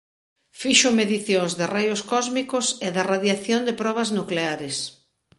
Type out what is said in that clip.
Fixo medicións de raios cósmicos e da radiación de probas nucleares.